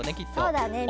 そうだね